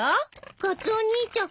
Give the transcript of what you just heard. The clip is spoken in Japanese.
カツオ兄ちゃん